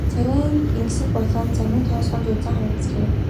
Царай нь энгэсэг болон замын тоосонд зузаан дарагджээ.